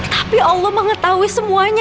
tapi allah mengetahui semua itu ya